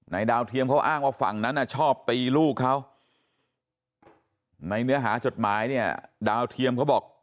ดาวเทียมเขาอ้างว่าฝั่งนั้นชอบตีลูกเขาในเนื้อหาจดหมายเนี่ยดาวเทียมเขาบอก